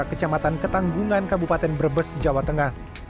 kecamatan ketanggungan kabupaten brebes jawa tengah